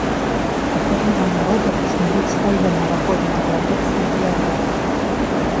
У кожнага народа існуюць свае навагоднія традыцыі і абрады.